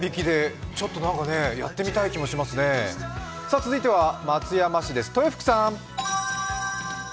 続いては松山市です、豊福さん。